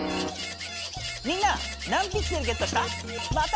みんな何ピクセルゲットした？